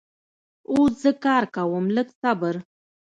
اوس زه کار کوم لږ صبر